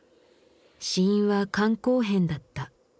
死因は肝硬変だった。